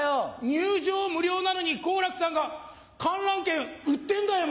入場無料なのに好楽さんが観覧券売ってんだよ